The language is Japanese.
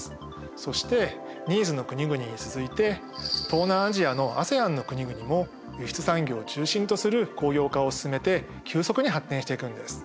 そしてＮＩＥＳの国々に続いて東南アジアのＡＳＥＡＮの国々も輸出産業を中心とする工業化を進めて急速に発展していくんです。